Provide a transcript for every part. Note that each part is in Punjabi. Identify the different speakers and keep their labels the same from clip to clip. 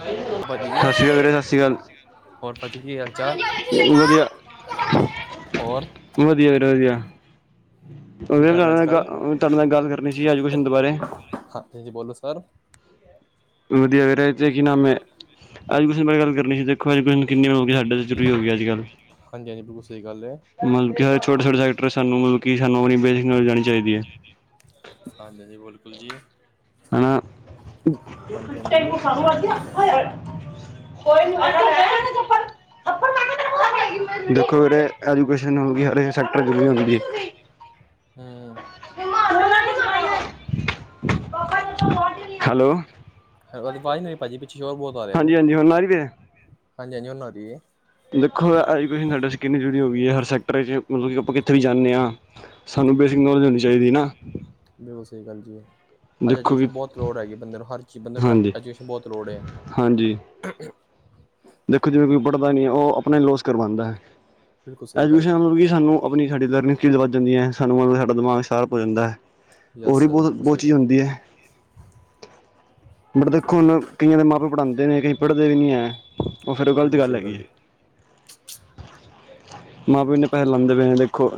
Speaker 1: ਸਤਿ
Speaker 2: ਭਾਜੀ
Speaker 1: ਸ਼੍ਰੀ ਅਕਾਲ ਵੀਰੇ ਸਤਿ ਸ਼੍ਰੀ ਅਕਾਲ
Speaker 2: ਹੋਰ ਭਾਜੀ ਕੀ ਹਾਲ ਚਾਲ,
Speaker 1: ਵਧੀਆ
Speaker 2: ਹੋਰ
Speaker 1: ਵਧੀਆ ਵੀਰੇ ਵਧੀਆ,
Speaker 2: ਕੀ
Speaker 1: ਤੁਹਾਡੇ
Speaker 2: ਕਰ ਰਹੇ ਹੋ ਅੱਜ ਕੱਲ
Speaker 1: ਨਾਲ ਗੱਲ ਕਰਨੀ ਸੀ ਐਜੂਕੇਸ਼ਨ ਦੇ ਬਾਰੇ?
Speaker 2: ਹਾਂਜੀ ਹਾਂਜੀ ਬੋਲੋ ਸਰ
Speaker 1: ਵਧੀਆ ਵੀਰੇ
Speaker 2: [inaudible]
Speaker 1: ਤੇ ਕੀ ਨਾਮ ਹੈ ਐਜੂਕੇਸ਼ਨ ਬਾਰੇ ਗੱਲ ਕਰਨੀ ਸੀ ਦੇਖੋ ਐਜੂਕੇਸ਼ਨ ਕਿੰਨੀ ਮਤਲਬ ਕਿ ਸਾਡੇ ਜ਼ਰੂਰੀ ਹੋ ਗਈ ਅੱਜ ਕੱਲ੍ਹ
Speaker 2: ਹਾਂਜੀ-ਹਾਂਜੀ, ਬਿਲਕੁ ਸਹੀ ਗੱਲ ਹੈ।
Speaker 1: ਮਤਲਬ ਹਰ ਛੋਟੇ ਛੋਟ ਸੈਕਟਰ ਸਾਨੂੰ ਮਤਲਬ ਸਾਨੂੰ ਆਪਣੀ ਬੇਸਿਕ ਨੌਲੇਜ ਆਉਣੀ ਚਾਹੀਦੀ ਹੈ
Speaker 2: ਹਾਂਜੀ ਹਾਂਜੀ ਬਿਲਕੁਲ ਜੀ
Speaker 1: ਹੈਂ [inaudible]
Speaker 2: ਹਾਂਜੀ ਹਾਂਜੀ
Speaker 1: ਦੇਖੋ ਵੀਰੇ ਐਜੂਕੇਸ਼ਨ ਹੋ ਗਿਆ, ਹਰੇਕ ਸੈਕਟਰ ਜ ਵੀ ਹੁੰਦੀ ਐ।
Speaker 2: ਹੂ
Speaker 1: ਹੈਲੋ
Speaker 2: ਤੁਹਾਡੀ ਆਵਾਜ਼ ਨਹੀਂ ਆ ਰਹੀ ਭਾਜੀ, ਪਿੱਛੇ ਸੋਰ ਬਹੁਤ ਆ ਰਿਹਾ
Speaker 1: ਹਾਂਜੀ
Speaker 2: ਵੈ,
Speaker 1: ਹਾਂਜੀ ਹੁਣ ਆ ਰਹੀ ਵੀਰੇ
Speaker 2: ਹਾਂਜੀ ਹਾਂਜੀ ਹੁਣ ਆ ਰਹੀ ਐ
Speaker 1: ਦੇਖੋ ਐਜੂਕੇਸ਼ਨ ਸਾਡੇ ਕਿੰਨੀ ਜ਼ਰਰੀ ਹੋ ਗਈ ਹੈ, ਹਰ ਸੈਕਟਰ ਮਤਲਬ ਕਿ ਆਪਾਂ ਕਿੱਥੇ ਵੀ ਜਾਂਨੇ ਆਂ ਸਾਨੂੰ ਬੇਸਿਕ ਨੌਲੇਜ ਹੋਣੀ ਚਾਹੀਦੀ ਹੈ ਨਾ।
Speaker 2: ਬਿਲਕੁਲ ਸਹੀ ਗੱਲ ਜੀ। ਅੱਜ
Speaker 1: ਦੇਖੋ ਕਿ
Speaker 2: ਐਜੂਕੇਸ਼ਨ ਬਹੁਤ ਲੋੜ ਹੈਗੀ ਬੰਦੇ ਨੂੰ, ਹਰ ਚੀਜ਼ ਬੰਦੇ ਨੂੰ
Speaker 1: ਹਾਂਜੀ
Speaker 2: ਐਜੂਕੇਸ਼ਨ ਬਹੁਤ ਲੋੜ ਹੈ।
Speaker 1: ਹਾਂਜੀ ਦੇਖੋ ਜਿਵੇਂ ਕੋਈ ਪੜ੍ਹਦਾ ਨਹੀਂ ਹੈ, ਉਹ ਆਪਣਾ ਲੋਸ ਕਰਵਾਉਂਦਾ ਐ,
Speaker 2: ਬਿਲਕੁਲ ਸਹੀ ਗੱਲ ਜੀ
Speaker 1: ਐਜੂਕੇਸ਼ਨ ਮਤਲਬ ਕਿ ਸਾਨੂੰ ਆਪਣੀ ਸਾਡੀ ਲਰਨਿੰਗ ਚੀਜ਼ ਵੱਧ ਜਾਂਦੀ ਹੈ, ਸਾਨੂੰ ਸਾਡਾ ਦਿਮਾਗ ਸਾਰਪ ਹੋ ਜਾਂਦਾ ਹੈ ਥੋੜੀ
Speaker 2: ਯਸ ਯਸ
Speaker 1: ਬਹੁਤ
Speaker 2: ਬਿਲਕੁਲ ਸਹੀ
Speaker 1: ਪੁਛ
Speaker 2: ਗੱਲ ਜੀ
Speaker 1: ਹੁੰਦੀ ਹੈ। ਬਟ ਦੇਖੋ ਹੁਣ ਕਈਆਂ ਦੇ ਮਾਂ-ਪਿਓ ਪੜ੍ਹਾਂਦੇ ਨੇ, ਕਈ ਪੜ੍ਹਦੇ ਵੀ ਨਹੀਂ ਹੈ। ਉਹ ਫਿਰ ਗਲਤ
Speaker 2: ਬਿਲਕੁਲ
Speaker 1: ਗੱਲ
Speaker 2: ਸਹੀ
Speaker 1: ਹੈਗੀ ਹੈ।
Speaker 2: ਜੀ
Speaker 1: ਮਾਂ ਪਿਓ ਇਨੇ ਪੈਸੇ ਲਾਉਂਦੇ ਪਏ ਨੇ ਦੇਖੋ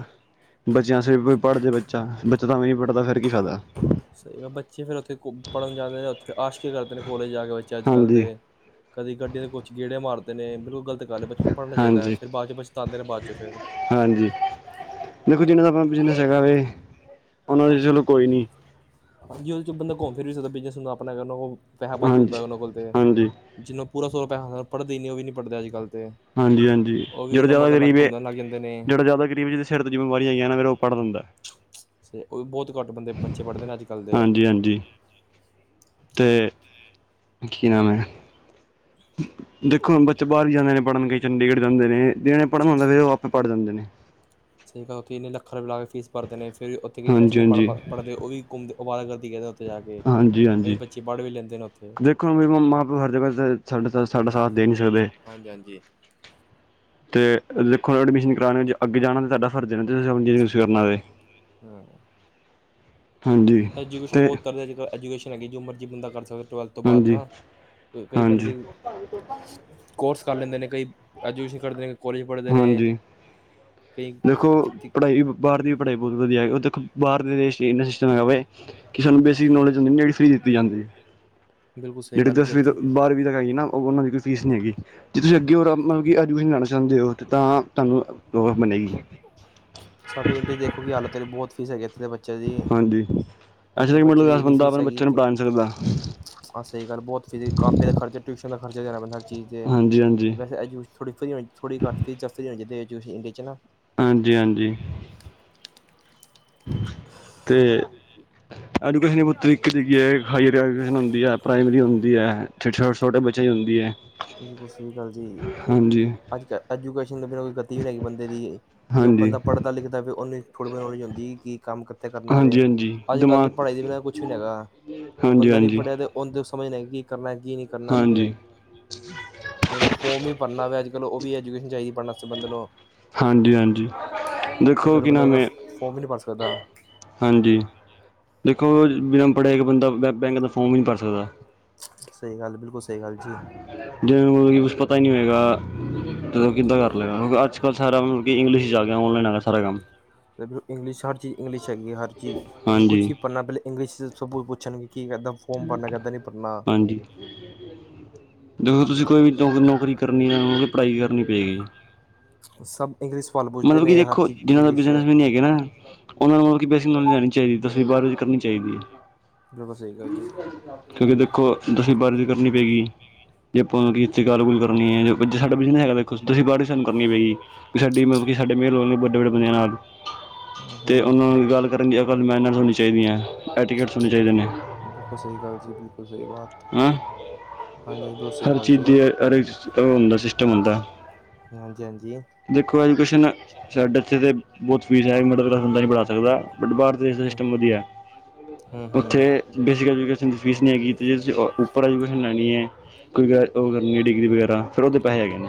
Speaker 1: ਬੱਚਿਆਂ ਆਸੇ ਵੀ ਪੜ੍ਹ ਜਾਏ ਬੱਚਾ, ਬੱਚਾ ਤਾਂ ਵੀ ਨਹੀਂ ਪੜ੍ਹਦਾ ਫਿਰ ਕੀ ਫਾਇਦਾ
Speaker 2: ਸਹੀ ਬੱਚੇ ਫੇਰ ਉੱਥੇ ਪੜ੍ਹਨ ਜਾਂਦੇ, ਉੱਥੇ ਆਸ਼ਕੀ ਕਰਦੇ ਨੇ ਕੋਲੇਜ ਜਾ ਕੇ, ਬੱਚੇ ਅੱਜ ਕੱਲ੍ਹ
Speaker 1: ਹਾਂਜੀ
Speaker 2: ਦੇ ਕਦੀ ਗੱਡਡੀ ਦੇ ਕੁਛ ਗੇੜੇ ਮਾਰਦੇ ਨੇ, ਬਿਲਕੁਲ ਗਲਤ ਗੱਲ ਹੈ, ਬੱਚੇ ਨੂੰ ਪੜ੍ਹਨਾ ਚਾਹੀਦਾ,
Speaker 1: ਹਾਂਜੀ
Speaker 2: ਫਿਰ ਬਾਦ ਚ ਬੱਚ ਦਉਦੇ ਨੇ ਬਾਅਦ ਚ ਫਿਰ
Speaker 1: ਹਾਂਜੀ, ਦੇਖੋ ਜਿਹਨਾਂ ਦਾ ਆਪਾਂ ਬਿਜਨਸ ਹੈਗਾ ਵੈ, ਉਹਨਾਂ ਦੇ ਚਲੋ ਕੋਈ ਨੀ
Speaker 2: ਹਾਂਜੀ, ਉਹਦੇ ਚ ਬੰਦਾ ਘੁੰਮ ਫਿਰ ਵੀ ਸਕਦਾ, ਬਿਜਨਸ ਆਪਣਾ ਕੋਲ ਪੈਸਾ ਵੱਧ ਹੁੰਦਾ
Speaker 1: ਹਾਂਜੀ
Speaker 2: ਉਹਨਾਂ ਕੋਲ ਤੇ
Speaker 1: ਹਾਂਜੀ
Speaker 2: ਜਿਵੇਂ ਪੂਰਾ ਸਕੋਪ ਹੈ, ਉਹ ਵੀ ਨਹੀਂ ਪੜ੍ਦੇ ਅੱਜ ਕੱਲ ਤੇ
Speaker 1: ਹਾਂਜੀ ਹਾਂਜੀ
Speaker 2: ਉਹ ਵੀ
Speaker 1: ਜਿਹੜਾ
Speaker 2: ਉਹਨਾਂ
Speaker 1: ਜ਼ਿਆਦਾ
Speaker 2: ਮਗਰ ਲੱਗ
Speaker 1: ਗਰੀਬ
Speaker 2: ਕੇ ਘੁੰਮਣ ਲੱਗ ਜਾਂਦੇ ਨੇ
Speaker 1: ਜਿਹੜਾ ਜ਼ਿਆਦਾ ਗ਼ਰੀਬ ਏ, ਜੀ ਦੇ ਸਿਰ ਤੇ ਜਿੰਮੇਵਾਰੀਆਂ ਹੈਗੀਆਂ ਨਾ ਫੇ ਪੜ੍ਹ ਲੈਂਦਾ ਐ
Speaker 2: ਤੇ ਉਹ ਵੀ ਬਹੁਤ ਘੱਟ ਬੰਦੇ, ਬੱਚੇ ਪੜਦੇ ਨੇ ਅੱਜ-ਕੱਲ੍ਹ ਦੇ
Speaker 1: ਹਾਂਜੀ ਹਾਂਜੀ, ਤੇ ਕੀ ਨਾਮ ਹੈ ਦੇਖੋ ਹੁਣ ਬੱਚੇ ਬਾਹਰ ਵੀ ਜਾਂਦੇ ਨੇ ਪੜ੍ਹਨ ਕਈ, ਚੰਡੀਗੜ੍ਹ ਜਾਂਦੇ ਨੇ ਜਿਹਨੇ ਪੜ੍ਹਨ ਆੁੰਦਾ ਫਿਰ ਉਹ ਆਪੇ ਪੜ੍ਹ ਜਾਂਦੇ ਨੇ।
Speaker 2: ਸਹੀ ਗੱਲ ਉੱਥੇ ਇੰਨੇੱ ਲੱਖਾਂ ਰੁਪਏ ਲਾ ਕੇ ਫੀਸ ਭਰਦੇ ਨੇ, ਫਿਰ ਵੀ ਉੱਈ ਬੱਚੇ
Speaker 1: ਹਾਂਜੀ
Speaker 2: ਨਹੀਂ ਪੜ੍ਹ
Speaker 1: ਹਾਂਜੀ
Speaker 2: ਪਾ ਪੜ੍ਹਦੇ ਉਹ ਵੀ ਘੁੰਮਦੇ ਅਵਾਰਾਗਰਦੀ ਕਰਦੇ ਨਾ
Speaker 1: ਹਾਂਜੀ
Speaker 2: ਕਈ
Speaker 1: ਹਾਂਜੀ
Speaker 2: ਬੱਚੇ ਪੜ ਵੀ ਰਿੰਦੇ ਉੱਥੇ
Speaker 1: ਦੇਖੋ ਮੇਰੀ ਮਮਾ ਹਰ ਜਗ੍ਹਾ ਤੇ ਸਾਡਾ ਸਾਡਾ ਸਾਥ ਦੇ ਨੀ ਸਕਦੇ।
Speaker 2: ਹਾਂਜੀ ਹਾਂਜੀ
Speaker 1: ਤੇ ਦੇਖੋ ਐਡਮਿਸ਼ਨ ਕਰਾਨਾ ਅੱਗੇ ਜਾਣਾ ਤੇ ਤੁਹਾਡਾ ਫ਼ਰਜ਼ ਐ ਨਾ, ਜਿਵੇਂ ਅਸੀਂ ਕਰਨਾ।
Speaker 2: ਹੂ
Speaker 1: ਹਾਂਜੀ
Speaker 2: ਐਜੂਕੇਸ਼ਨ
Speaker 1: ਤੇ
Speaker 2: ਬਹੁਤ ਤਰ ਅਜੱਲ ਐਜਕੇਸ਼ਨ ਹੈਗੀ, ਜੋ ਮਰਜ਼ੀੰਦਾ ਕਰ ਸਕਦਾ ਟਵੈਲਥ ਤੋਂ ਬਾਅਦ
Speaker 1: ਹਾਂਜੀ
Speaker 2: ਨਾ ਕਈ
Speaker 1: ਹਾਂਜੀ
Speaker 2: ਬੰਦੇ, ਕੋਰਸ ਕਰ ਲੈਂਦੇ ਨੇ ਕਈ ਐਜੂਕੇਸ਼ਨ ਕਰਦੇ ਨੇ, ਕਾਲਜ ਪੜ੍ਹਦੇ ਨੇ,
Speaker 1: ਹਾਂਜੀ
Speaker 2: ਕਈ
Speaker 1: ਦੇਖੋ ਪੜ੍ਹਾਈ ਬਾਹਰ ਦੀ ਵੀ ਪੜ੍ਹਾਈ ਬਹੁ ਵਧੀਆ ਹੈਗੀ, ਉੱਥੇ ਬਾਹਰ ਦੇ ਦੇਸ ਵੇ ਕਿ ਸਾਨੂੰ ਬੇਸਿਕ ਨੋਲਜ ਹੁੰਦੀ, ਜਿਹੜੀ ਫ੍ਰੀ ਦਿੱਤੀ ਜਾਂਦੀ ਐ
Speaker 2: ਬਿਲਕੁਲ ਸਹੀ
Speaker 1: ਜਿਹੜੀ
Speaker 2: ਗੱਲ ਹੈ ਜੀ
Speaker 1: ਦਸਵੀਂ ਤੋਂ
Speaker 2: ਇੱਥੇ
Speaker 1: ਬਾਰਵੀਂ ਤੱਕ ਹੈਗੀ ਨਾ ਉਹ ਉਹਨਾਂ ਦੀ ਕੋਈ ਫੀਸ ਨਹੀਂ ਹੈਗੀ, ਜੇ ਤੁਸੀਂ ਅੱਗੇ ਹੋਰ ਮਤਲਬ ਐਡਮਿਸ਼ਨ ਲੈਣਾ ਚਾਹੁੰਦੇ ਹੋ, ਤਾਂ ਤੁਹਾਨੂੰ ਉਹ ਬਣੇਗੀ
Speaker 2: ਸਾਡੇ ਇੰਡੀਆ ਦੇਖੋ ਕਿ ਹਾਲਤ ਹੈ, ਬਹੁਤ ਫੀਸ ਹੈਗੀ ਐ ਥੇ ਅਤੇ ਬੱਚੇ ਦੀ
Speaker 1: ਹਾਂਜੀ ਅੱਛਾ
Speaker 2: ਐਥੇ
Speaker 1: ਤੱਕ ਮਿਡਲ
Speaker 2: ਬੱਚੇ ਦੀ
Speaker 1: ਕਲਾਸ
Speaker 2: ਇੰਨੀ
Speaker 1: ਬੰਦਾ
Speaker 2: ਫੀਸ
Speaker 1: ਆਪਣੇ
Speaker 2: ਹੈਗੀ
Speaker 1: ਬੱਚੇ ਨੂੰ
Speaker 2: ਕਿ।
Speaker 1: ਪੜ੍ਹਾ ਨਹੀਂ ਸਕਦਾ
Speaker 2: ਹਹ ਸਹੀ ਗੱਲ ਬਹੁਤ ਫਿ ਕਾਪੀ ਦਾ ਖਰਚਾ ਟਿਊਸ਼ਨ ਦਾ ਖਰਚਾ ਦੇਣਾ ਪੈਂਦਾ ਹਰ ਚੀਜ਼ ਤੇ
Speaker 1: ਹਾਂਜੀ ਹਾਂਜੀ
Speaker 2: ਵੈਸੇ। ੋੜ੍ਹੀ ਹੋਣੀਥੋੜੀ ਘੱ ਚੀਜ਼ੱਸਦੀ ਹੋਣੀਿਹਦੇ ਵਿੱਚ ਇੰਡੀਆ ਚ ਨਾ। [unintelligible]
Speaker 1: ਹਾਂਜੀ ਹਾਂਜੀ। ਤੇ ਐਜੂਕੇਸ਼ਨ ਬਹੁਤ ਤਰੀਕੇ ਕੀ ਹਾਇਰਜੂਕੇਸ਼ਨ ਹੁੰ ਹੈ ਪ੍ਰਾਈਮਰੀੁਦੀ ਹੈ ਛੋਟੇ ਛਟੇ ਛੋਟੇ ਬੱਚੇਿਆਂ ਦੀ ਹੁੰਦੀ ਹੈ।
Speaker 2: ਬਿਲਕੁਲ ਸਹੀ ਗਲ ਜੀ
Speaker 1: ਹਾਂਜੀ
Speaker 2: ਅੱਜ ਐਜੂਕੇਸ਼ਨ ਦੀ ਗਤੀ ਵੀ ਨਹੀ ਹੇਗੀ ਬੰਦੇ ਦੀ। ਜੋ
Speaker 1: ਹਾਂਜੀ
Speaker 2: ਬੰਦਾ ਪੜ੍ਹਦਾ ਲਿਖਦਾ ਵੇ ਉਹਨੂੰ ਥੋੜੀ ਬਹੁਤ ਨੌਲੇਜ ਹੁੰਦੀ ਏ ਕਿ ਕੰਮ। ਕਰਨਾਵੇ
Speaker 1: ਹਾਂਜੀ ਹਾਂਜੀ
Speaker 2: ਅੱਜ ਕੱਲ੍ਹ ਦੀ
Speaker 1: ਦਿਮਾਗ
Speaker 2: ਪੜ੍ਹਾਈ ਦੇ ਬਿਨਾਂ ਕੁਛ ਵੀ ਨੀ ਹੈਗਾ ਜੋ
Speaker 1: ਹਾਂਜੀ
Speaker 2: ਬੰਦਾ ਨੀ
Speaker 1: ਹਾਂਜੀ
Speaker 2: ਪੜ੍ਹਿਆ ਤੇ। ਉਹਦੇ ਉਹ ਸਮਝਦੇ ਕਿ ਕੀ ਕਰਨਾ ਕੀ ਨਹੀਂ ਕਰਨਾੱ
Speaker 1: ਹਾਂਜੀ
Speaker 2: ਕਿ। ਦੇਖੋ ਫੋਰਮ ਵੀ ਭਰਨਾ ਹੋਵੇ ਅੱਜਕਲ ਉਹ ਵੀ ਐਜੂਕੇਸ਼ਨ ਚਾਹੀਦੀ ਭਰਨ ਵਾਸਤੇ ਬੰਦੇ ਨੂੰ।
Speaker 1: ਹਾਂਜੀ ਹਾਂਜੀ
Speaker 2: ਨਹੀਂ
Speaker 1: ਦੇਖੋ
Speaker 2: ਤਾਂ
Speaker 1: ਕਿ ਨਾਮ
Speaker 2: ਬੰਦਾ
Speaker 1: ਏ।
Speaker 2: ਫੋਰਮ ਵੀ ਨਹੀਂ ਭਰ ਸਕਦਾ
Speaker 1: ਹਾਂਜੀ ਦੇਖੋ ਬਿਨਾ ਪੜ੍ਹਿਆ ਇੱਕ ਬੰਦਾ ਬੈਂਕ ਦਾ ਫੋਮ ਵੀ ਨਹੀਂ ਭਰ ਸਕਦਾ।
Speaker 2: ਸਹੀ ਗੱਲ ਬਿਲਕੁਲ ਸਹੀ ਗੱਲ ਜੀ
Speaker 1: ਜਿਵੇ ਮਤਲਬ ਕਿ ਕੁਛ ਪਤਾ ਹੀ ਨਹੀਂ ਹੋਏਗਾ ਤਦੋ ਕਿੱਦਾਂ ਕਰ ਲਗਾ ਅੱਜ। ਸਾਰਾਤਲਬ ਇੰਲਿਸ਼ ਚ ਆ ਗਿਆ ਔਨਲਾਈਨ ਆ ਗਿਆ ਸਾਰ ਕੰਮ।
Speaker 2: ਇੰਗਲਿਸ਼ ਹਰ ਚੀਜ਼ ਇੰਗਲਿਸ਼ ਹੈਗੀ ਹਰ ਚੀਜ਼
Speaker 1: ਹਾਂਜੀ
Speaker 2: ਕੁਛ ਹੀ ਪੜਨਾ ਪਲੇ ਇੰਗਲਿਸ਼ ਚ ਸਭ ਕੁਛ ਪੁੱਛਣਗੇ ਕੀ ਕਰਨਾ ਫੋਮ ਭਰਨਾ ਕਦੇ ਨੀ ਭਰਨਾ।
Speaker 1: ਹਾਂਜੀ ਦੇਖੋ ਤੁਸੀਂ ਕੋਈ ਵੀ ਨੌਕਰੀ ਕਰਨੀ ਆ ਉਹ ਪੜ੍ਹਾਈ ਕਰਨੀ ਪਏਗੀ।
Speaker 2: ਸਭ ਇੰਗਲਿਸ਼ ਸਵਾਲ ਪੁੱਛਦੇ
Speaker 1: ਮਤਲਬ ਕਿ
Speaker 2: ਨੇ ਹਰ
Speaker 1: ਦੇਖੋ
Speaker 2: ਚੀਜ਼
Speaker 1: ਜਿਨਾਂ ਦਾ
Speaker 2: ਇੰਗਲਿਸ਼ 'ਚ
Speaker 1: ਬਿਜਨਸਮੈਨ ਹੀ ਹੈਗਾ ਨਾ। ਉਹਨਾਂ ਨੂੰ ਮਤਲਬ ਕਿ ਬੇਸਿਕ ਨੌਲੇਜ ਲੈਣੀ ਚਾਹੀਦੀ ਦਸਵੀਂ ਬਾਰਵੀਂ ਕਰਨੀ ਚਾਹੀਦੀ ਹੈ।
Speaker 2: ਬਿਲਕੁਲ ਸਹੀ ਗੱਲ ਜੀ
Speaker 1: ਕਿਉਂਕਿ ਦੇਖੋ ਦਸਵੀਂ ਬਾਰਵੀਂ ਕਰਨੀ ਪਏਗੀ। ਜੇ ਆਪਾਂ ਨੁ ਕਿੱਥੇ ਗਲ ਗੂਲ ਕਰਨੀ ਹੈੇ ਸਾਡਾ ਬਿਜ਼ਨਸ ਹੈਗਾ ਅਸੀਂ ਦਸਵੀਂ ਬਾਰਵੀਂ ਸਾਨੂੰ ਕਰਨੀ ਪਏਗੀ। ਵੀ ਸਾਡੀ ਮਤਲਬ ਕਿ ਸਾਡੇ ਮੇਲ ਹੋ ਨੇ ਵੱਡੇ ਵੱਡੇ ਬੰਦਿਆਂ ਨਾਲ। ਤੇ
Speaker 2: ਹੂੰ
Speaker 1: ਉਹਨਾਂ ਨੁ ਗੱਲ ਕਰਨ ਦੀ ਅਕੱਲ ਮੈਂਨੇਰਸ ਹੋਣੀ ਚਾਹੀਦੀਆਂ ਐਟੀਕੇਟਸ ਚਾਹੀਦੇ ਨੇ।
Speaker 2: ਬਿਲਕੁਲ ਸਹੀ ਗੱਲ ਜੀ ਬਿਲਕੁਲ ਸਹੀ ਬਾਤ।
Speaker 1: ਹਮ।
Speaker 2: ਹਾਂਜੀ ਹਾਂਜੀ ਬਿਲਕੁਲ ਸਹੀ
Speaker 1: ਹਰ
Speaker 2: ਗੱਲ
Speaker 1: ਚੀਜ਼
Speaker 2: ਜੀ
Speaker 1: ਦੀ ਹਰ ਉਹ ਹੁੰਦਾ ਸਿਸਟਮ ਹੁੰਦਾ।
Speaker 2: ਹਾਂਜੀ ਹਾਂਜੀ।
Speaker 1: ਦੇਖੋ ਐਜੂਕੇਸ਼ਨ ਸਾਡੇ ਇੱਥੇ ਤੇ। ਬਹੁਤ ਫੀਸ ਹੈ ਮਿਡਲ ਕਲਾਸ ਬੰਦਾ ਨਹੀਂ ਪੜਾ ਸਕਦਾ ਬਟ ਬਾਰ ਦੇ ਦੇਸ਼ ਦਾ ਸਿਸਟਮ ਵਧੀਆ
Speaker 2: ਹੂੰ ਹੂੰ
Speaker 1: ਉੱਥੇ। ਬੇਸਿਕ ਐਜੂਕੇਸ਼ਨ ਦੀ ਫੀਸ ਨਹੀ ਹੈਗੀ। ਜੇ ਤੁਸੀਂ ਉੱਪਰ ਐਜੂਕੇਸ਼ਨ ਲੈਣੀ ਏ ਕੋਈ ਉਹ ਕਰਨੀ ਹੈ ਡਿਗਰੀ ਵਗੈਰਾ। ਫਿਰ ਉਹਦੇ ਪੈਸੇ ਹੈਗੇ ਨੇ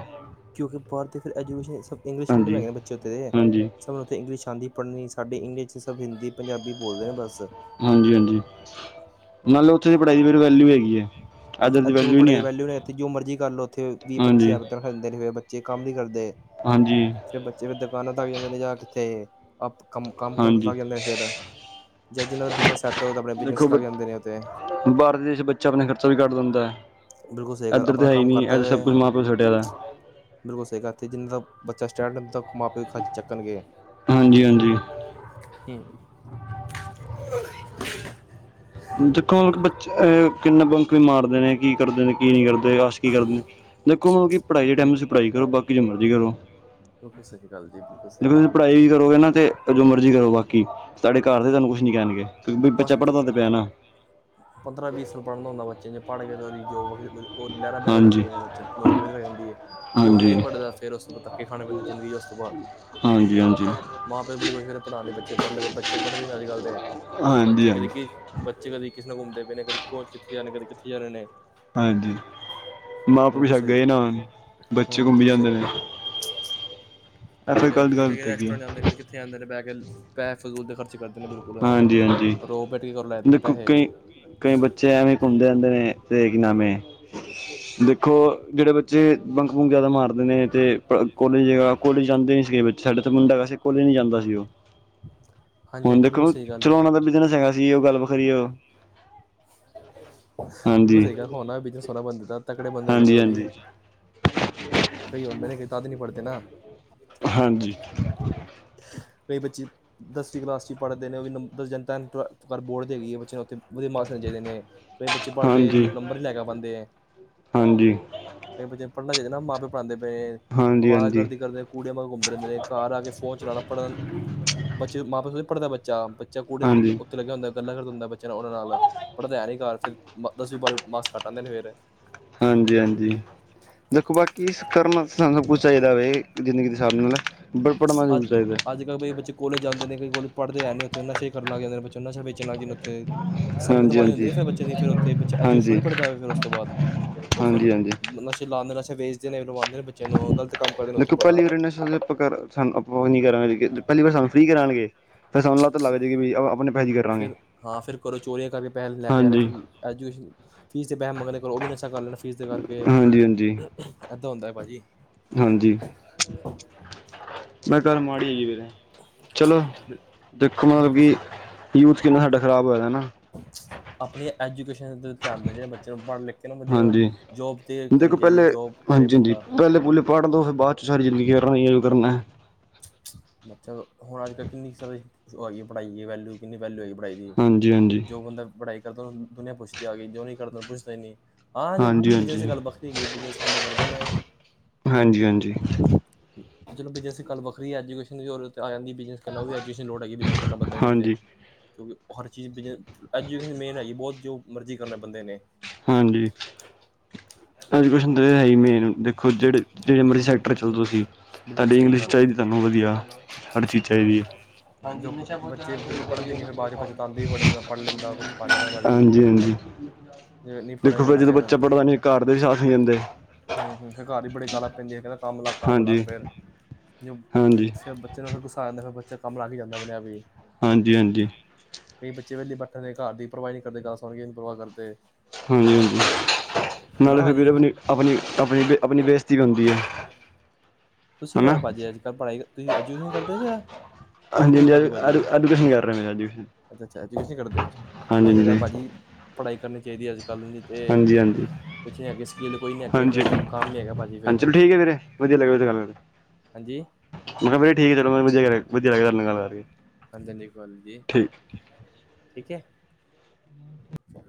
Speaker 2: ਕਿਉਂਕਿ ਬਾਹਰ ਦੇ ਫਿਰ ਏਜੂਕੇਸ਼ਨ ਇੰਗਲਿਸ਼ ਮੀਡੀਅਮ
Speaker 1: ਹਾਂਜੀ
Speaker 2: ਹੈਗੇ ਨੇ ਬੱਚੇ ਤੇ।
Speaker 1: ਹਾਂਜੀ
Speaker 2: ਸਾਨੂੰ ਉੱਥੇ ਇੰਗਲਿਸ਼ ਆਉਂਦੀ ਪੜ੍ਹਨੀਣੀ ਸਾਡੀ ਇੰਗਲਿਸ਼ ਚ ਸਭ ਹਿੰਦੀ ਪੰਜਾਬੀ ਬੋਲਦੇ ਨੇ ਬਸ।
Speaker 1: ਹਾਂਜੀ ਹਾਂਜੀ ਨਾਲ਼ੇ ਉੱਥੇ ਦੀ ਪੜ੍ਹਾਈ ਦੀ ਫਿਰ ਵੈਲਿਊ ਹੈਗੀ। ਹੈ ਇੱਧਰ
Speaker 2: ਐਥੇ
Speaker 1: ਵੈਲਿਊ
Speaker 2: ਪੜਾਈ
Speaker 1: ਨਹੀਂ
Speaker 2: ਦੀ
Speaker 1: ਹੈ
Speaker 2: ਵੈਲਿਊ ਤੇ ਜੋ ਮਰਜ਼ੀ ਕਰ ਲੋ ਉੱਥੇ ਵੀਹ ਪੱਚੀ
Speaker 1: ਹਾਂਜੀ
Speaker 2: ਹਜ਼ਾਰ ਤਨਖਾਹ ਦੇਂਦੇ ਨੇ ਫੇਰ ਬੱਚੇ ਕੰਮ ਨਈ ਕਰਦੇ।
Speaker 1: ਹਾਂਜੀ।
Speaker 2: ਫੇਰ ਬੱਚੇ ਦੁਕਾਨਾਂ ਲੱਗ ਜਾਂਦੇ ਨੇ ਜਾਂ ਕਿੱਥੇ ਆਪ ਕੰ ਕੰਮ ਕੁਮ
Speaker 1: ਹਾਂਜੀ
Speaker 2: ਲੱਗ ਜਾਂਦੇ ਨੇ ਫਿਰ। ਜਾਂ ਜਿਨ੍ਹਾਂ ਦਾ ਬਿਜ਼ਨਸ ਸੈੱਟ ਹੋਵੇ ਆਪ ਬਿਜ਼ਨਸ ਲੱਗ ਜਾਂਦੇ ਨੇ ਉੱਤੇ।
Speaker 1: ਬਾਹਰਲੇ ਦੇਸ਼ ਬੱਚੇ ਆਪਣਾ ਖਰਚਾ ਵੀ ਕੱਢ ਦਿੰਦਾ ਹੈ
Speaker 2: ਬਿਲਕੁਲ ਸਹੀ ਗੱਲ
Speaker 1: ਇੱਧਰ ਤਾਂ
Speaker 2: ਆਪਣਾ
Speaker 1: ਹੈ ਹੀ
Speaker 2: ਕੰਮ
Speaker 1: ਨਹੀਂ
Speaker 2: ਕਰਦਾ
Speaker 1: ਇੱਧਰ ਸਭ
Speaker 2: ਵੇ
Speaker 1: ਕੁਛ ਮਾਂ ਪਿਓ ਛੱਡਿਆ ਦਾ।
Speaker 2: ਬਿਲਕੁਲ ਸਹੀ ਗਾੱਥ ਜਿੰਨਾ ਦਾ ਬੱਚਾ ਸਟੈਂਡ ਤੱਕ ਮਾਂ ਪਿਓ ਖ ਚੱਕਣਗੇ।
Speaker 1: ਹਾਂਜੀ ਹਾਂਜੀ।
Speaker 2: ਹ।
Speaker 1: ਦੇਖੋ ਮਤਲਬ ਬੱਚੇ ਕਿੰਨੇ ਬੰਕ ਵੀ ਮਾਰਦੇ ਨੇ ਕੀ ਕਰਦੇ ਨੇ ਕੀ ਨਹੀ ਕਰਦੇ। ਤੇ ਆਸ਼ਕੀ ਕਰਨੀ ਦੇਖੋ ਮਤਲਬ ਕਿ ਪੜ੍ਹਾਈ ਦੇ ਟਾਈਮ ਤੁਸੀ ਪੜ੍ਹਾਈ ਕਰੋ ਬਾਕੀ ਜੋ ਮਰਜ਼ੀ ਕਰੋ।
Speaker 2: ਬਿਲਕੁਲ ਸਹੀ ਗੱਲ ਜੀ ਬਿਲਕੁਲ ਸਹੀ
Speaker 1: ਦੇਖੋ ਤੁਸੀਂ
Speaker 2: ਗੱਲ।
Speaker 1: ਪੜ੍ਹਾਈ ਵੀ ਕਰੋਗੇ ਨਾ ਤੇ ਜੋ ਮਰਜ਼ੀ ਕਰੋ, ਬਾਕੀ ਸਾਡੇ ਘਰ ਦੇ ਸਾਨੂੰ ਕੁਛ ਨਹੀਂ ਕਹਿਣਗੇ। ਕਿਉ ਬਈ, ਬੱਚਾ ਪੜ੍ਹਦਾ ਤਾਂ ਪਿਆ ਨਾ।
Speaker 2: ਪੰਦਰਾਂ-ਵੀਹ ਸਾਲ ਪੜ੍ਹਨਾ ਹੁੰਦਾ ਬੱਚੇ ਨੇ, ਪੜ੍ਹ ਕੇ ਤੇ ਉਹਦੀ ਜੋਬ। ਉਹ ਲਹਿਰਾਂ ਬਹਿਰਾ ਹੋ
Speaker 1: ਹਾਂਜੀ
Speaker 2: ਜਾਂਦੀਆਂ ਨੇ ਬੱਚੇ ਨੂੰ ਨੌਕਰੀ ਅਲੱਗ ਲੱਗ ਜਾਂਦੀ ਹੈ। ਜੋ
Speaker 1: ਹਾਂਜੀ
Speaker 2: ਨਹੀਂ
Speaker 1: ਹਾਂਜੀ
Speaker 2: ਪੜ੍ਹਦਾ ਫੇਰ ਉਸ ਨੂੰ ਧੱਕੇ ਖਾਣੇ ਪੈਂਦੇ ਜ਼ਿੰਦਗੀ ਚ ਉਸ ਤੋਂ ਬਾਅਦ।
Speaker 1: ਹਾਂਜੀ
Speaker 2: ਮਾਂ ਪਿਓ ਬੜੀ ਮੁਸ਼ਕਲ ਨਾਲ ਪੜ੍ਹਾਂਦੇ ਬੱਚੇ ਪੜ੍ਹ ਬੱਚੇ ਪੜ੍ਹਦੇ ਅੱਜ ਕੱਲ ਦੇ।
Speaker 1: ਹਾਂਜੀ
Speaker 2: ਬੱਚੇ
Speaker 1: ਹਾਂਜੀ
Speaker 2: ਕਦੇ ਬੱਚੇ ਕਦੇ ਕਿਸੇ ਨਾਲ ਘੁੰਮਦੇ ਪਏ ਨੇ ਕਦੇ ਕਿੱਥੇ ਜਾ ਰਹੇ ਕਦੇ ਕਿੱਥੇ ਜਾ ਰਹੇ ਨੇ।
Speaker 1: ਹਾਂਜੀ, ਮਾਂ
Speaker 2: ਬਿਲਕੁਲ
Speaker 1: ਪਿਓ
Speaker 2: ਸਹੀ
Speaker 1: ਗਏ ਨਾ ਬੱਚੇ
Speaker 2: ਹੂੰ
Speaker 1: ਘੁੰਮੀ
Speaker 2: ਬਿਲਕੁਲ
Speaker 1: ਜਾਂਦੇ
Speaker 2: ਸਹੀ
Speaker 1: ਨੇ। ਇਹ ਫਿਰ
Speaker 2: ਸਹੀ ਗੱਲ
Speaker 1: ਗਲਤ
Speaker 2: ਕਦੇ
Speaker 1: ਗਲਤ ਹੈਗੀ
Speaker 2: ਰੈਸਟੋਰਟ
Speaker 1: ਹੈ।
Speaker 2: ਜਾਂਦੇ ਨੇ ਕਿੱਥੇ ਆ ਜਾਂਦੇ ਨੇ ਪੈ ਪੈੇ ਫੂ ਦੇ ਖਰਚ ਕਰਦੇ ਨੇ ਬਿਲਕੁਲ।
Speaker 1: ਹਾਂਜੀ ਹਾਂਜੀ।
Speaker 2: ਰੋਬੇਟ ਕੀ ਲੈਦੇ ਨੇ
Speaker 1: ਦੇਖੋ
Speaker 2: ਪੈਸੇ।
Speaker 1: ਕਈ ਕਈ ਬੱਚੇ ਐਵੇਂ ਘੁੰਮਦੇ ਰਹਿੰਦੇ ਨੇ ਤੇ ਕੀ ਨਾਮ ਏ। ਦੇਖੋ ਜਿਹੜੇ ਬੱਚੇ ਬੰਕ ਬੁਕ ਜਿਆਦਾ ਮਾਰਦੇ ਨੇ ਤੇ ਕੋਲੇਜ। ਕੋਲੇਜ ਜਾਂਦੇ ਨਹੀਂ ਸੀਗੇ ਬੱਚੇ ਸਾਡਾ ਤਾਂ ਮੁੰਡਾ ਵੈਸੇ ਕੋਲੇਜ ਨੀ ਜਾਂਦਾ ਸੀ ਉਹ।
Speaker 2: ਹਾਂਜੀ
Speaker 1: ਹੁਣ
Speaker 2: ਹਾਂਜੀ ਬਿਲਕੁਲ
Speaker 1: ਦੇਖੋ
Speaker 2: ਸਹੀ ਗੱਲ
Speaker 1: ਚਲੋ
Speaker 2: ਹੈ
Speaker 1: ਉਹਨਾਂ ਦਾ ਬਿਜਨਸ ਹੈਗਾ ਸੀ ਉਹ ਗੱਲ ਵੱਖਰੀ ਉਹ।
Speaker 2: ਬਿਲਕੁਲ
Speaker 1: ਹਾਂਜੀ
Speaker 2: ਸਹੀ ਗੱਲ ਬਿਜਨਸ ਸੋਹਣਾ ਬੰਦੇ ਦਾ ਤਕੜੇ ਬੰਦੇ ਫਿਰ
Speaker 1: ਹਾਂਜੀ
Speaker 2: ਉਹ ਵੀ।
Speaker 1: ਹਾਂਜੀ
Speaker 2: ਕਈ ਹੁੰਦੇ ਨੇ ਕਈ ਤਾਂ ਵੀ ਨੀ ਪੜਦੇ ਨਾ।
Speaker 1: ਹਾਂਜੀ।
Speaker 2: ਕਈ ਬੱਚੇ ਦਸਵੀਂ ਕਲਾਸ ਚ ਪੜ੍ਹਦੇ ਨੇ ਉਹ ਵੀ ਦਸ ਜਨ ਬੋਰਡ ਤੇ ਹੈਗੀ ਹੈ ਬੱਚੇ ਨੂੰ ਉੱਥੇ। ਵਧੀਆ ਮਾਰਕਸ ਦੇਣੇ ਚਾਹੀਦੇ ਨੇ ਕਈ ਬੱਚੇ ਪੜ੍ਹ ਕੇ
Speaker 1: ਹਾਂਜੀ ਹਾਂਜੀ
Speaker 2: ਨੰਬਰ ਨਹੀ ਲੈ ਪਾਉਂਦੇ।
Speaker 1: ਹਾਂਜੀ
Speaker 2: ਕਈ ਬੱਚੇ ਨੂੰ ਪੜ੍ਹਨਾ ਚਾਹੀਦਾ ਨਾ ਮਾਂ ਪਿਓ ਪੜ੍ਹਾਂਦੇ ਪਏ ਅਵਾਰਾ
Speaker 1: ਹਾਂਜੀ
Speaker 2: ਗਰਦੀ ਕਰਦੇ। ਕੁੜੀਆਂ ਮਗਰ ਘੁੰਮਦੇ ਰਹਿੰਦੇ ਨੇ ਘਰ ਆ ਕੇ ਫੋਨ ਚਲਾਉਣਾ ਪੜ੍ਹਨ ਬੱਚੇ ਮਾਂ ਪਿਓ ਪੜ੍ਹਦਾ ਬੱਚਾ ਬੱਚਾ। ਕੁੜੀਆਂ
Speaker 1: ਹਾਂਜੀ
Speaker 2: ਉੱਤੇ ਲੱਗਿਆ ਹੁੰਦਾ, ਗੱਲਾਂ ਕਰਦਾ ਹੁੰਦਾ ਬੱਚਿਆਂ ਨਾਲ, ਉਨ੍ਹਾਂ ਨਾਲ ਪੜ੍ਹਦਾ ਹੈ ਨੀ ਘਰ। ਦਸਵੀਂ-ਬਾਰ੍ਹਵੀਂ ਮਾਰਕਸ ਘੱਟ ਆਉਦੇ ਨੇ। ਫੇਰ
Speaker 1: ਹਾਂਜੀ, ਹਾਂਜੀ ਦੇਖੋ ਬਾਕੀ ਕਰਨਾਸ ਸਾਨੂੰ ਸਭ ਕੁਛ ਚਾਹੀਦਾ ਵ ਜਿੰਦਗੀ। ਹਿਸਾਬ ਨਾਲ ਬਸ ਪੜਨਾ ਜਰੂਰ ਚਾਹੀਦਾ।
Speaker 2: ਕਈ ਬਚੇ ਕੋਲੇਜ ਜਾਂਦੇ ਨੇ ਕਈ ਕੋਲੇਜ ਪੜ੍ਹਦੇ ਹੈ ਨਹੀਂ ਉੱਥੇ ਨਸ਼ੇ ਕਰਨ ਲੱਗ ਜਾਂਦੇ ਬੱਚ ਨਸ਼ਾ ਵੇਚਣ ਲੱਗ ਜਾਂਦੇ ਉੱਥੇ। ਸੰਗਤ
Speaker 1: ਹਾਂਜੀ
Speaker 2: ਮਾੜੀ
Speaker 1: ਹਾਂਜੀ
Speaker 2: ਹੁੰਦੀ ਫਿਰ ਬੱਚੇ ਦੀ ਫਿਰ ਉੱਥੇ ਬੱਚਾ ਇੰਜ
Speaker 1: ਹਾਂਜੀ
Speaker 2: ਥੋੜੀ ਪੜ੍ਹਦਾ। ਫਿਰ ਉਸ ਤੋਂ ਬਾਅਦ ਉਸ
Speaker 1: ਹਾਂਜੀ ਹਾਂਜੀ
Speaker 2: ਨਸ਼ਾ ਲਾਉਂਦੇੇ ਨਸ਼ਾ ਵੇਚਦੇ ਨੇ, ਲਵਾਉਂਦੇ ਨੇ, ਬੱਚੇ ਨੂੰ ਗਲਤ ਕੰਮ ਕਰਦੇ ਨੇ ਉੱਥੇ ਬੜਾ।
Speaker 1: ਨਸ਼ਾ। ਸਾਨੂੰ ਆਪ ਨੀ ਕਰਾਂਗੇ ਪਹਿਲੀ ਵਾਰ ਸਾਨੂੰ ਫ੍ਰੀ ਕਰਾਉਣਗੇ ਫਿਰ ਸਾਨੂੰ ਲੱਤ ਲੱਗ ਜਾਏਗੀ ਕਿ ਵੀ ਆਪਣੇ ਪੈਸੇ ਕਰਾਂਗੇ
Speaker 2: ਫਿਰ ਹਾਂ, ਫਿਰ ਘਰੋਂ ਚੋਰੀਆਂ ਕਰਕੇ ਪੈਸੇ ਲੈ ਕੇ ਜਾਣਾ।
Speaker 1: ਹਾਂਜੀ
Speaker 2: ਫਿਰ ਐਜੂਕੇਸ਼ਨ ਫੀਸ ਦੇ ਪੈਸੇ ਮੰਗਣੇ ਘਰੋ ਉਹ ਵੀ ਨਸ਼ਾ ਕਰ ਲੈਣਾ ਫੀਸ ਦੇ ਕਰਕੇ
Speaker 1: ਹਾਂਜੀ ਹਾਂਜੀ
Speaker 2: ਏਦਾਂ ਹੁੰਦਾ ਹੈ ਭਾਜੀ।
Speaker 1: ਹਾਂਜੀ ਇਹ ਗੱਲ ਮਾੜੀ ਹੈਗੀ ਫੇਰ। ਚਲੋ ਦੇਖੋ ਮਤਲਬ
Speaker 2: ਬਿਲਕੁਲ
Speaker 1: ਕਿ
Speaker 2: ਸਹੀ
Speaker 1: ਯੂਥ ਕਿੰਨਾ ਸਾਡਾ ਖ਼ਰਾਬ ਹੋਇਆ ਦਾ ਨਾ।
Speaker 2: ਆਪਣੀ ਐਜੂਕੇਸ਼ਨ ਤੇ ਧਿਆਨ ਦੇ ਜਿਹੜੇ ਬੱਚਿਆਂ ਨੂੰ ਪੜ੍ਹ ਲਿਖ। ਕਹਿ ਬੰਦੇ
Speaker 1: ਹਾਂਜੀ
Speaker 2: ਜੋਬ ਤੇ ਕਰਨੀ ਚਾਹੀਦੀ ਜੋਬ ਕਰੇ ਬੰਦਾ।
Speaker 1: ਪੜ ਲਓ ਬਾਅਦ ਚ ਸਾਰੀ ਜ਼ਿੰਦਗੀ ਕਰਨਾ ਜੋ ਕਰਨਾ।
Speaker 2: ਅੱਛਾ ਹੁਣ ਅੱਜ ਕੱਲ ਕਿੰਨੀ ਸਾਰੀ ਹੋ ਆਈ ਪੜ੍ਹਾਈ ਦੀ ਵੈਲਿਊ ਕਿੰਨੀ ਵੈਲਊ ਹੈਗੀ। ਪੜਾਈ ਦੀ
Speaker 1: ਹਾਂਜੀ ਹਾਂਜੀ
Speaker 2: ਜੋ ਬੰਦਾ ਪੜਾਈ ਕਰਦਾ ਉਹਨੂੰ ਦੁਨੀਆਂ ਪੁੱਛਦੀ ਆ ਗਈ ਜੋ ਨਹੀਂ ਕਰਦਾ ਉਹਨੂੰ ਪੁੱਛਦਾ ਨਹੀਂ। ਹਾਂ ਜੋ
Speaker 1: ਹਾਂਜੀ
Speaker 2: ਬਿਜਨਸ ਦੀ
Speaker 1: ਹਾਂਜੀ
Speaker 2: ਗੱਲ ਵੱਖਰੀ ਹੈਗੀ ਬਿਜਨਸ ਬੰਦੇ ਕਰਦੇ ਨੇ।
Speaker 1: ਹਾਂਜੀ, ਹਾਂਜੀ।
Speaker 2: ਚਲੋ ਬਿਜਨਸ ਦੀ ਗੱਲ ਵੱਖਰੀ ਹੈ ਐਜੂਕੇਸ਼ਨ ਦੀ ਆ ਜਾਂਦੀ। ਬਿਜਨਸ ਉਹ ਵੀ ਐਜੂਕੇਸ਼ਨ ਲੋੜ ਹੈਗੀ ਬਜ਼ਨ ਕਰ ਬਦੇ ਜਿੱਥੇ
Speaker 1: ਹਾਂਜੀ
Speaker 2: ਕਿਉਂਕਿ ਹਰ ਚੀਜ਼ ਬਿਜਨਸ। ਐਜੂਕੇਸ਼ਨ ਮੇਨ ਹੈਗੀ ਬਹੁਤ ਜੋ ਮਰਜ਼ੀ ਕਰਨਾ ਬੰਦੇ ਨੇ।
Speaker 1: ਹਾਂਜੀ, ਐਜੂਕੇਸ਼ਨ ਤਾਂ ਹੈ ਮੇਨ ਦੇਖੋ ਜਿਹੇ ਜਿੜੇ ਮਰਜੀ। ਬੈਟਰ ਚੱਲੋ ਤੁਸੀਂ
Speaker 2: ਬਿਲਕੁਲ
Speaker 1: ਤੁਹਾਡੀ
Speaker 2: ਸਹੀ
Speaker 1: ਇੰਗਲਿਸ਼
Speaker 2: ਗੱਲ
Speaker 1: ਚਾਹੀਦੀ ਤੁਹਾਨੂੰ ਵਧੀਆ ਹਰ ਚੀਜ਼ ਚਾਹੀਦੀ।
Speaker 2: ਜੋ
Speaker 1: ਹਾਂਜੀ
Speaker 2: ਬੱਚੇ ਪਹਿਲੇ ਪੜ੍ਹਦੇ ਨਹੀਂ ਫਿਰ ਬਾਅਦ 'ਚ ਪਛਤਾਉਂਦੇ ਵੀ ਬੜੇ ਨੇ ਮੈਂ ਪੜ੍ਹ ਲੈਂਦਾ ਕੁਛ ਪਾ ਲੈਂਦਾ ਮੈਂ ਵੀ
Speaker 1: ਹਾਂਜੀ।
Speaker 2: ਜੇ ਨਹੀਂ
Speaker 1: ਦੇਖੋ
Speaker 2: ਪੜ੍ਹੇਂਗੇ
Speaker 1: ਫਿਰ
Speaker 2: ਨਾ
Speaker 1: ਜਦੋਂ ਬੱਚਾ ਪੜ੍ਹਦਾ ਨੀ ਘਰ ਦੇ ਵੀ ਸਾਥ ਨਹੀ ਦਿੰਦੇ।
Speaker 2: ਹਮ- ਹਮ ਫਿਰ ਘਰ ਵੀ, ਬੜੀ ਗੱਲਾਂ ਪੈਂਦੀ ਆ ਕਹਿੰਦੇ, ਕੰਮ ਲੱਗ- ਕੰਮ ਲੱਗ
Speaker 1: ਹਾਂਜੀ ਹਾਂਜੀ
Speaker 2: ਫੇਰ ਜਦੋਂ
Speaker 1: ਹਾਂਜੀ
Speaker 2: ਫਿਰ ਗੁੱਸਾ ਆ ਜਾਂਦਾ ਫਿਰ ਬੱਚਾ ਕੰਮ ਲੱਗ ਹੀ ਜਾਂਦਾ ਆਪਣੇ ਆਪ ਹੀ।
Speaker 1: ਹਾਂਜੀ- ਹਾਂਜੀ।
Speaker 2: ਕਈ ਬੱਚੇ ਵੇਹਲੇ ਬੈਠਣ ਦੇ ਘਰ ਦੀ ਪਰਵਾਹ ਨਹੀਂ ਕਰਦੇ, ਗੱਲ ਸੁਣ ਕੇ ਨੀ ਪਰਵਾਹ ਕਰਦੇ।
Speaker 1: ਹਾਂਜੀ-ਹਾਂਜੀ ਨਾਲੇ
Speaker 2: ਹਨਾ
Speaker 1: ਫਿਰ ਵੀਰ
Speaker 2: ਭਾਜੀ।
Speaker 1: ਆਪਣੀ-ਆਪਣੀ-ਆਪਣੀ- ਆਪਣੀ ਬੇ ਦਿੱਤੀ ਹੁੰਦੀ ਐ।
Speaker 2: ਤੁਸੀਂ ਕਰ ਪਾ ਜੇ ਅੱਜ- ਕੱਲ ਪੜ੍ਹਾਈ, ਤੁਸੀਂ ਐਜੂਕੇਸ਼ਨ ਕਰਦੇ ਜਾਂ ਕੰਮ
Speaker 1: ਹਾਂਜੀ
Speaker 2: ਕੁੰਮ
Speaker 1: ਹਾਂਜੀ
Speaker 2: ਕਰਦੇ ਹੋ ਭਾਜੀ।
Speaker 1: ਐਜੂਕੇਸ਼ਨ ਕਰ ਰਿਹਾ। ਮੇਰਾ ਐਜੂਕੇਸ਼ਨ
Speaker 2: ਅੱਛਾ-ਅੱਛਾ ਐਜੂਕੇਸ਼ਨ ਕਰਦੇ
Speaker 1: ਹਾਂਜੀ
Speaker 2: ਅੱਛਾ,
Speaker 1: ਹਾਂਜੀ
Speaker 2: ਭਾਜੀ ਪੜ੍ਹਾਈ ਕਰਨੀ ਚਾਹੀਦੀ ਐ, ਅੱਜ ਗੱਲ ਨਹੀਂ ਤੇ
Speaker 1: ਹਾਂਜੀ ਹਾਂਜੀ
Speaker 2: ਕੁਛ ਨੀ ਅੱਗੇ, ਸਕਿੱਲ ਕੋਈ ਨਹੀਂ ਅੱਗੇ
Speaker 1: ਹਾਂਜੀ
Speaker 2: ਫਿਰ, ਕੰਮ ਨੀ ਹੈਗਾ ਭਾਜੀ ਫੇਰ।
Speaker 1: ਹਾਂਜੀ ਚਲੋ ਠੀਕ ਐ ਵੀਰੇ। ਵਧੀਆ ਲੱਗਾ, ਥੋਡੇ ਨਾਲ ਗੱਲ ਕਰਕੇ।
Speaker 2: ਹਾਂਜੀ।
Speaker 1: ਮੈਂ ਕਿਹਾ ਠੀਕ ਐ, ਚਲੋ ਵਧੀਆ, ਵਧੀਆ ਲੱਗਾ ਗੱਲ ਕਰਕੇ।
Speaker 2: ਗੰਦੀ ਗੱਲ ਜੀ,
Speaker 1: ਠੀਕ
Speaker 2: ਠੀਕ ਐ। [unintelligible]